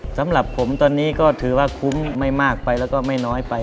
สำหรับผมตอนนี้ก็ถือว่าคุ้มไม่มากไปแล้วก็ไม่น้อยไป